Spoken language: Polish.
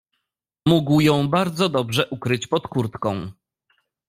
"Mógł ją bardzo dobrze ukryć pod kurtką."